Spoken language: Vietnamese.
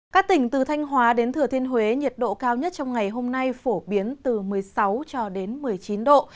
các tỉnh từ thanh hóa đến thừa thiên huế nhiệt độ cao nhất trong ngày hôm nay phổ biến từ một mươi sáu cho đến một mươi chín độ